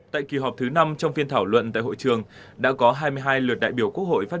tại kỳ họp thứ năm trong phiên thảo luận tại hội trường đã có hai mươi hai lượt đại biểu quốc hội phát